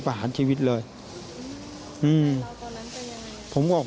ลูกนั่นแหละที่เป็นคนผิดที่ทำแบบนี้